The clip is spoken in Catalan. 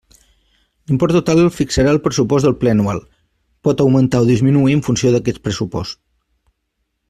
L'import total el fixarà el pressupost del ple anual, pot augmentar o disminuir en funció d'aquest pressupost.